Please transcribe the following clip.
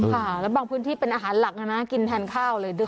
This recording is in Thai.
ค่ะแล้วบางพื้นที่เป็นอาหารหลักนะกินแทนข้าวเลย